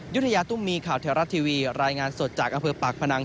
ยุธยาตุ้มมีข่าวแถวรัฐทีวีรายงานสดจากอำเภอปากพนัง